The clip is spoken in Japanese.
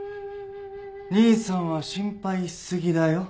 兄さんは心配し過ぎだよ。